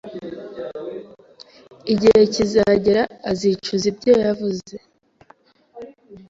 Igihe kizagera azicuza ibyo yavuze